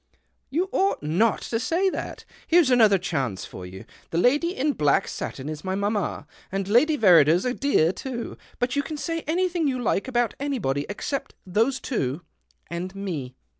" You ought not to say that. Here's another chance for you. The lady in black satin is my mamma, and Lady Verrider's a dear too. But you can say anything you like about anybody except those two — and me."